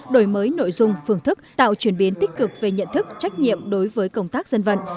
đổi mới nội dung phương thức tạo chuyển biến tích cực về nhận thức trách nhiệm đối với công tác dân vận